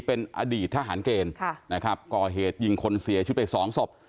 เป็นอดีตทหารเกณฑ์นะครับก่อเหตุยิงคนเสียชีวิตไปสองศพ